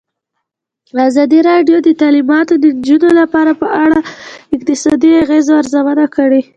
ازادي راډیو د تعلیمات د نجونو لپاره په اړه د اقتصادي اغېزو ارزونه کړې.